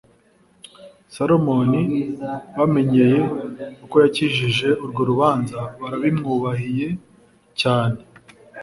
salomoni bamenyeye uko yakijije urwo rubanza barabimwubahiye cyane